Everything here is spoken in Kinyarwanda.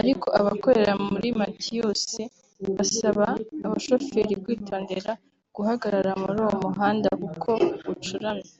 ariko abakorera muri Matheus basaba abashoferi kwitondera guhagarara muri uwo muhanda kuko ucuramye